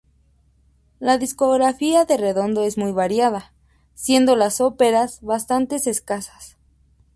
La discografía de Redondo es muy variada, siendo las óperas bastantes escasas.